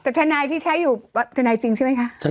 แต่ทนายที่ใช้อยู่ทนายจริงใช่ไหมคะ